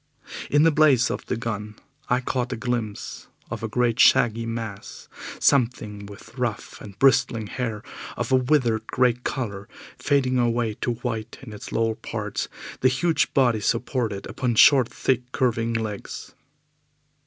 In the blaze of the gun I caught a glimpse of a great shaggy mass, something with rough and bristling hair of a withered grey colour, fading away to white in its lower parts, the huge body supported upon short, thick, curving legs.